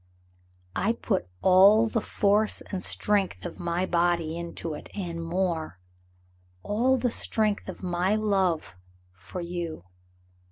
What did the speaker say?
"I put all the force and strength of my body into it, and more ; all the strength of my love for you.